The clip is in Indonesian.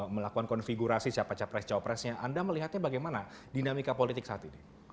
melakukan konfigurasi siapa capres cawapresnya anda melihatnya bagaimana dinamika politik saat ini